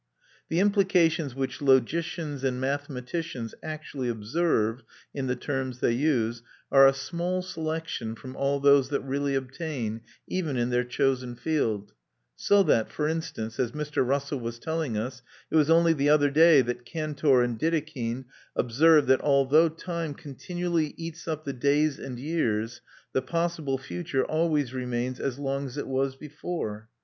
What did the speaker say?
The implications which logicians and mathematicians actually observe in the terms they use are a small selection from all those that really obtain, even in their chosen field; so that, for instance, as Mr. Russell was telling us, it was only the other day that Cantor and Dedekind observed that although time continually eats up the days and years, the possible future always remains as long as it was before.